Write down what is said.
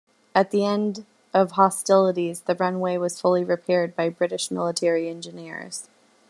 At the end of hostilities the runway was fully repaired by British military engineers.